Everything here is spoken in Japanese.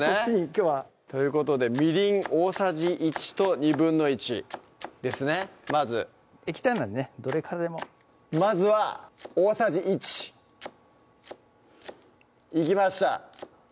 きょうはということでみりん大さじ１と１／２ですねまず液体なのでねどれからでもまずは大さじ１いきました